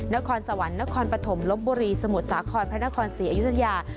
นครสวรรค์นครปฐมลบบุรีสมุทรสาครพระนครศรีอยุธยา